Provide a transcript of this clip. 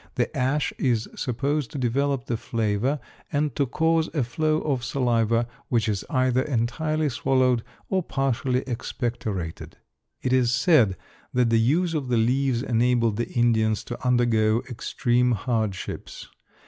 The ash is supposed to develop the flavor and to cause a flow of saliva which is either entirely swallowed or partially expectorated. It is said that the use of the leaves enabled the Indians to undergo extreme hardships.